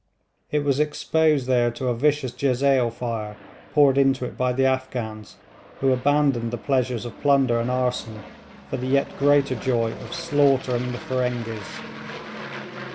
It was exposed there to a vicious jezail fire poured into it by the Afghans, who abandoned the pleasures of plunder and arson for the yet greater joy of slaughtering the Feringhees.